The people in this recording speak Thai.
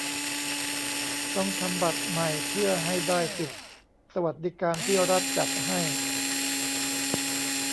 ต้องทำบัตรใหม่เพื่อให้ได้สิทธิ์สวัสดิการที่รัฐจัดให้